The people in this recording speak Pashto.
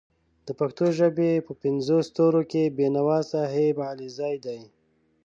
د پښتو ژبې په پینځو ستورو کې بېنوا صاحب علیزی دی